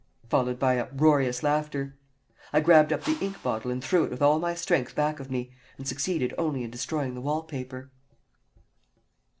followed by uproarious laughter. I grabbed up the ink bottle and threw it with all my strength back of me, and succeeded only in destroying the wall paper.